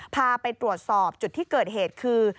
พาไปตรวจสอบจุดที่เกิดเหตุคือ